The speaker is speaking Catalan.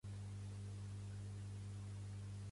Què ha opinat JxCat?